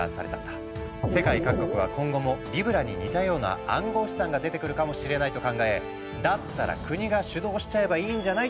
世界各国は今後もリブラに似たような暗号資産が出てくるかもしれないと考えだったら国が主導しちゃえばいいんじゃない？